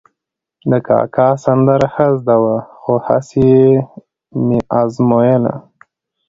د کاکا سندره ښه زده وه، خو هسې مې ازمایله.